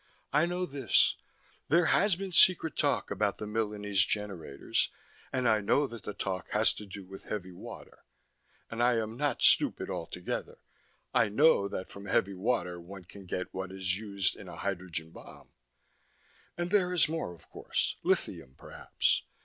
I know this; there has been secret talk about the Milanese generators, and I know that the talk has to do with heavy water. And I am not stupid altogether, I know that from heavy water one can get what is used in a hydrogen bomb. And there is more, of course lithium, perhaps?